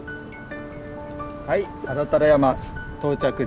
はい安達太良山到着です。